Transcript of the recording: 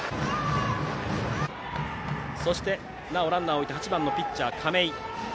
そして、なおランナーを置いて８番のピッチャー、亀井。